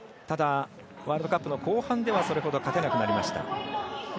ただ、ワールドカップの後半ではそれほど勝てなくなりました。